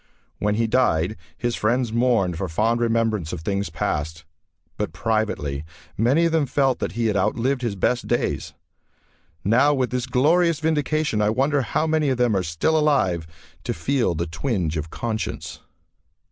When he died his friends mourned for fond remembrance of things past, but privately many of them felt that he had outlived his best days. Now with this glorious vindication, I wonder how many of them are still alive to feel the twinge of conscience....